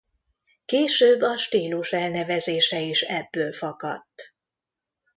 Később a stílus elnevezése is ebből fakadt.